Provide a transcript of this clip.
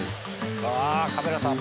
ああカメラさんも。